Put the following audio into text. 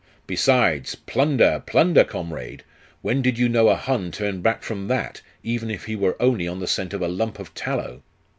Besides, plunder, plunder, comrade! When did you know a Hun turn back from that, even if he were only on the scent of a lump of tallow?